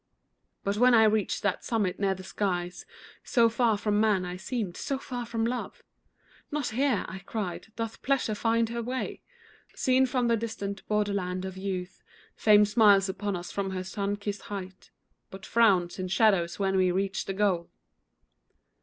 But when I reached that summit near the skies, So far from man I seemed, so far from Love— "Not here," I cried, "doth Pleasure find her way." Seen from the distant borderland of youth, Fame smiles upon us from her sun kissed height, But frowns in shadows when we reach the goal.